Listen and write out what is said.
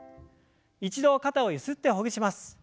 一度肩をゆすってほぐします。